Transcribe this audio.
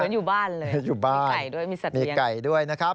อยู่บ้านมีไก่ด้วยมีสัตว์เบียงมีไก่ด้วยนะครับ